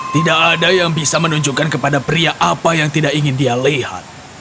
tidak ada yang bisa menunjukkan kepada pria apa yang tidak ingin dia lihat